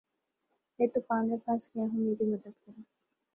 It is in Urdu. میں طوفان میں پھنس گیا ہوں میری مدد کریں